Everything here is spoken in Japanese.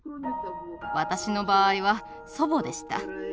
私の場合は祖母でした。